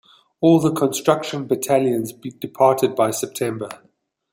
All the construction battalions departed by December.